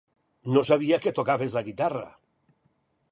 No sabia que tocaves la guitarra!